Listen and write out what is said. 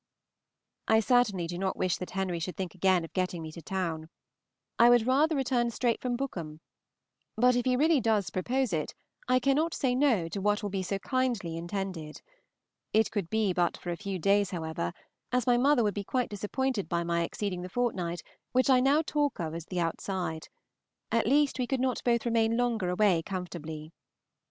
I certainly do not wish that Henry should think again of getting me to town. I would rather return straight from Bookham; but if he really does propose it, I cannot say No to what will be so kindly intended. It could be but for a few days, however, as my mother would be quite disappointed by my exceeding the fortnight which I now talk of as the outside at least, we could not both remain longer away comfortably.